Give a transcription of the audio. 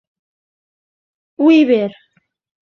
Weber.